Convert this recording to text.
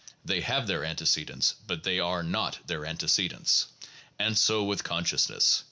They have their antecedents, but they are not their antecedents. And so with consciousness.